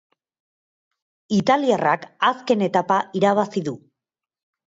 Italiarrak azken etapa irabazi du.